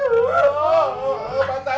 ya mungkin kampung ini kena bencana